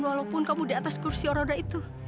walaupun kamu di atas kursi roda itu